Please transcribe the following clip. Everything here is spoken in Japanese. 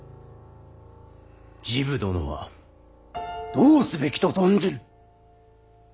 治部殿はどうすべきと存ずる。